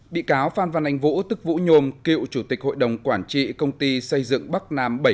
bị cáo phan văn anh vũ tức vũ nhôm cựu chủ tịch hội đồng quản trị công ty xây dựng bắc nam bảy trăm tám